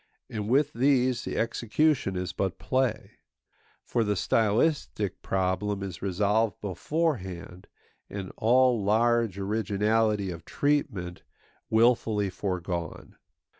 And with these the execution is but play; for the stylistic problem is resolved beforehand, and all large originality of treatment wilfully foregone.